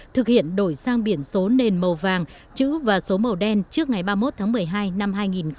thực hiện đổi sang biển số nền màu vàng chữ và số màu đen trước ngày ba mươi một tháng một mươi hai năm hai nghìn một mươi chín